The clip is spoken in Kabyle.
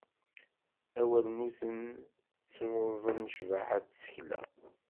Awalnuten ttruẓen ccbaḥa n tsekla.